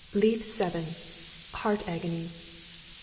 Leaf VII. Heart Agonies.